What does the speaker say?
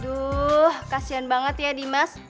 aduh kasian banget ya dimas